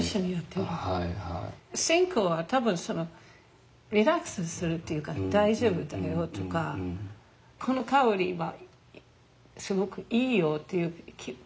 線香は多分そのリラックスするっていうか大丈夫だよとかこの香りはすごくいいよっていう自分のためになる。